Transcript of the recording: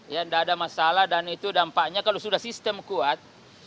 ya tidak ada masalah dan itu dampaknya kalau sudah sistem kuat